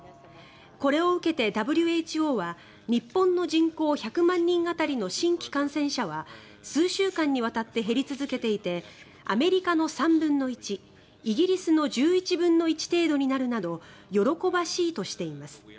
これを受けてＷＨＯは日本の人口１００万人当たりの新規感染者は数週間にわたって減り続けていてアメリカの３分の１イギリスの１１分の１程度になるなど喜ばしいとしています。